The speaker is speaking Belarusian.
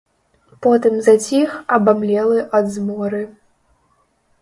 Потым заціх, абамлелы ад зморы.